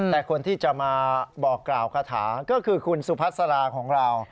แต่คนที่จะมาบอกกล่าวคาถาก็คือคุณสุพัสราของเรา